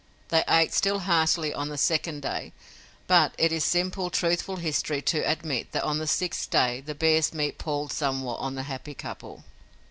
They ate still heartily on the second day but it is simple, truthful history to admit that on the sixth day bear's meat palled somewhat on the happy couple.